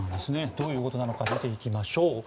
どういうことなのか見ていきましょう。